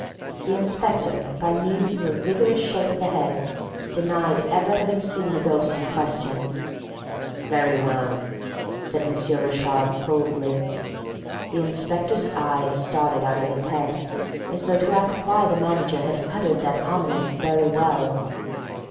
The inspector, by means of a vigorous shake of the head, denied ever having seen the ghost in question. "Very well!" said M. Richard coldly. The inspector's eyes started out of his head, as though to ask why the manager had uttered that ominous "Very well!"